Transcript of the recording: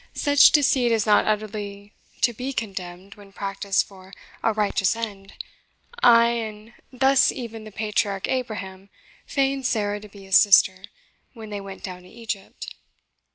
Such deceit is not utterly to be condemned when practised for a righteous end; and thus even the patriarch Abraham feigned Sarah to be his sister when they went down to Egypt."